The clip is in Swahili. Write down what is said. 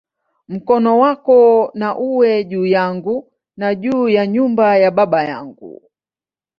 Mkono wako na uwe juu yangu, na juu ya nyumba ya baba yangu"!